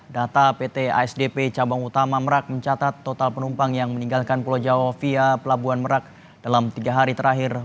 data pt asdp cabang utama merak mencatat total penumpang yang meninggalkan pulau jawa via pelabuhan merak dalam tiga hari terakhir